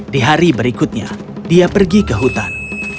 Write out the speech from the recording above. di hari berikutnya dia pergi ke hutan